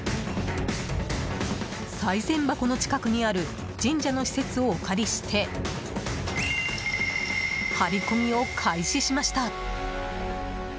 さい銭箱の近くにある神社の施設をお借りして張り込みを開始しました。